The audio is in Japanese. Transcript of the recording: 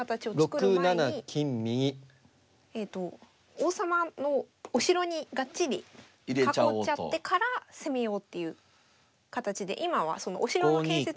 王様のお城にがっちり囲っちゃってから攻めようっていう形で今はそのお城の建設を２人でしてます。